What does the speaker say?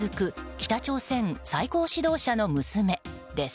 北朝鮮最高指導者の娘です。